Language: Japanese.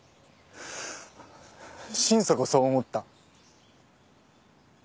心底そう思った。